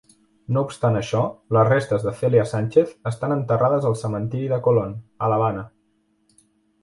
No obstant això, les restes de Celia Sánchez estan enterrades al cementiri de Colón, a l'Havana.